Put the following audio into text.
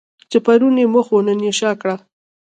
چې پرون یې مخ وو نن یې شا کړه.